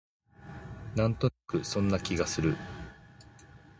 なんとなくそんな気がする